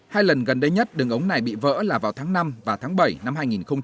hai lần gần đây nhất đường ống này bị vỡ là vào tháng năm và tháng bảy năm hai nghìn một mươi chín